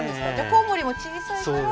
コウモリも小さいから。